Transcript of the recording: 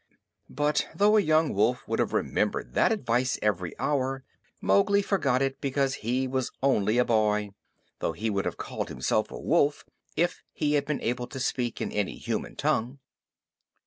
But though a young wolf would have remembered that advice every hour, Mowgli forgot it because he was only a boy though he would have called himself a wolf if he had been able to speak in any human tongue.